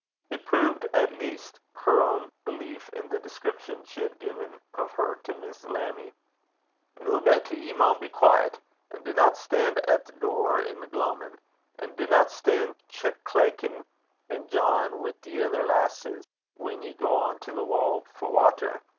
It proved at least her own belief in the description she had given of her to Miss Lammie. 'Noo, Betty, ye maun be dooce. An' dinna stan' at the door i' the gloamin'. An' dinna stan' claikin' an' jawin' wi' the ither lasses whan ye gang to the wall for watter.